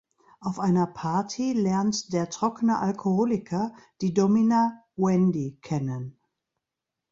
Auf einer Party lernt der trockene Alkoholiker die Domina Wendy kennen.